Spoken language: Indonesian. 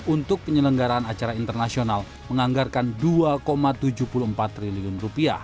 untuk penyelenggaraan acara internasional menganggarkan rp dua tujuh puluh empat triliun